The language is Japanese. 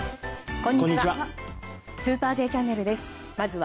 こんにちは。